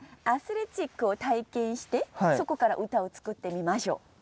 アスレチックを体験してそこから歌を作ってみましょう。